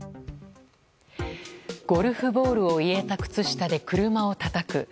ゴルフボールを入れた靴下で車をたたく。